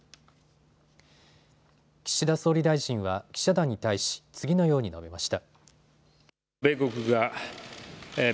岸田総理大臣は記者団に対し次のように述べました。